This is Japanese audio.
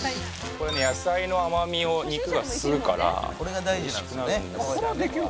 これね野菜の甘みを肉が吸うから美味しくなるんですよ。